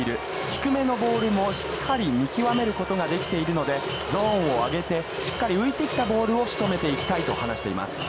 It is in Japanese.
低めのボールもしっかり見極めることができているので、ゾーンを上げて、しっかり浮いてきたボールをしとめていきたいと話しています。